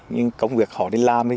nhưng công việc họ đi làm